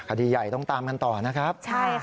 คดีใหญ่ต้องตามกันต่อนะครับ